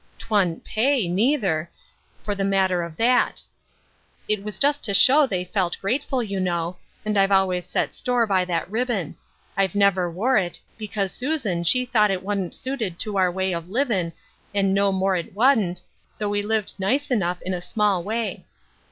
'Twan't pay^ Bitter Herbs, 67 neither, for the matter of that; it was just to show they felt grateful, you know, and I've always set store by that ribbon. I've never wore it, because Susan she thought it wan't suited to our way of livin" and no more it wan't, though we lived nice enough in a small way.